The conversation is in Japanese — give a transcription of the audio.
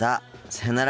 さようなら。